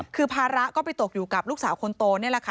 คือภาระก็ไปตกอยู่กับลูกสาวคนโตนี่แหละค่ะ